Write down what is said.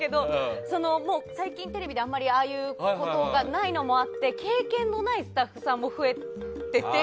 最近、テレビでああいうことがないのもあって経験のないスタッフさんも増えてて。